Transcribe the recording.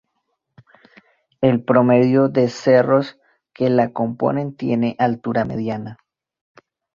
El promedio de cerros que la componen tiene altura mediana.